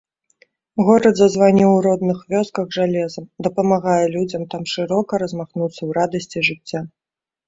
Горад зазваніў у родных вёсках жалезам, дапамагае людзям там шырока размахнуцца ў радасці жыцця.